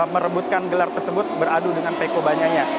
merebutkan gelar tersebut beradu dengan peko banaya